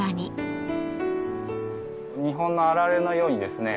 日本のあられのようにですね